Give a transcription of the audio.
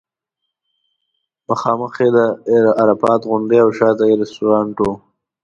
مخامخ یې د عرفات غونډۍ او شاته یې رستورانټ و.